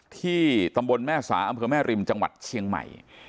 ที่ตำบลแม่สาอำเภอแม่ริมจังหวัดเชียงใหม่